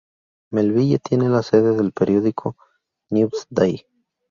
Melville tiene la sede del periódico "Newsday".